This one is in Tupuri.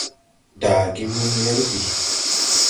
Daage wum wɛr bìi.